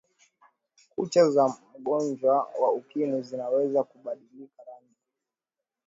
kucha za mgonjwa wa ukimwi zinaweza kubadilika rangi